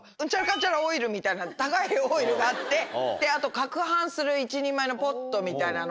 ちゃらオイルみたいな高いオイルがあってあと攪拌する一人前のポットみたいなの。